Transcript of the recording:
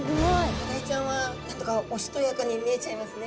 マダイちゃんは何だかおしとやかに見えちゃいますね。